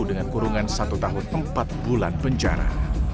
dengan kurungan satu tahun empat bulan penjara